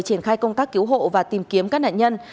triển khai công tác cứu hộ và tìm kiếm các nạn nhân